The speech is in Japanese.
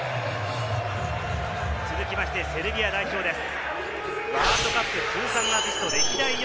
続きましてセルビア代表です。